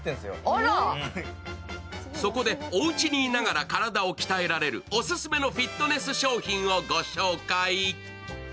そこでおうちにいながら体を鍛えられるオススメのフィットネス商品をご紹介。